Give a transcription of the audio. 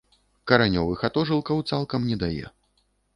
Каранёвых атожылкаў цалкам не дае.